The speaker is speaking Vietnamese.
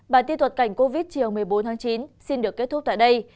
bản tin thuật cảnh covid chiều một mươi bốn tháng chín xin được kết thúc tại đây